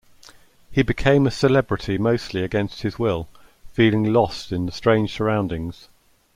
He became a celebrity mostly against his will, feeling lost in the strange surroundings.